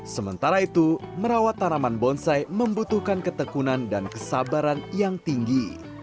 sementara itu merawat tanaman bonsai membutuhkan ketekunan dan kesabaran yang tinggi